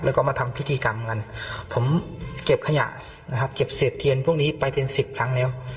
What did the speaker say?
แล้วก็มาทำพิธีกรรมกันผมเก็บขยะนะครับเก็บเศษเทียนพวกนี้ไปเป็นสิบครั้งแล้ว